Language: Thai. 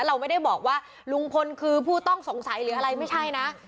เราไม่ได้บอกว่าลุงพลคือผู้ต้องสงสัยหรืออะไรไม่ใช่นะ